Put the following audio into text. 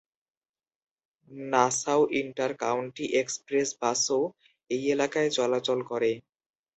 Nassau inter county express বাসও এই এলাকায় চলাচল করে।